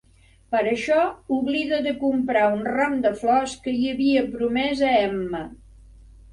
Per això, oblida de comprar un ram de flors que hi havia promès a Emma.